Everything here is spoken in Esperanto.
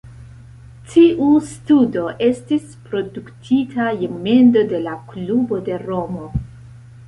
Tiu studo estis produktita je mendo de la klubo de Romo.